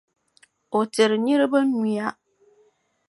O tiri niriba nyuya.